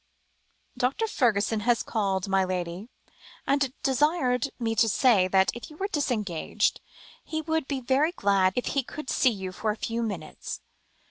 "Dr. Fergusson has called, my lady, and desired me to say that if you were disengaged, he would be very glad if he could see you for a few minutes."